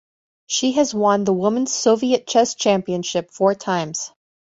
She has won the Women's Soviet Chess Championship four times.